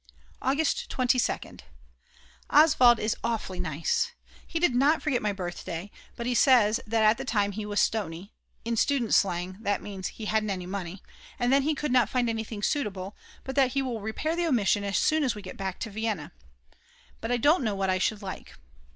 August 22nd. Oswald is awfully nice. He did not forget my birthday, but he says that at that time he was stoney, in student's slang that means that he hadn't any money, and then he could not find anything suitable, but that he will repair the omission as soon as we get back to Vienna. But I don't know what I should like.